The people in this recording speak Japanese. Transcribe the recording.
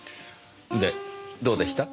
でどうでした？